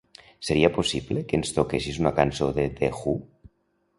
Seria possible que ens toquessis una cançó de The Who?